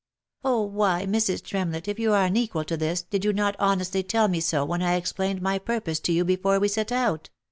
"Oh! why, Mrs. Tremlett, if you are unequal to this, did you not honestly tell me so when I explained my purpose to you before we set out?"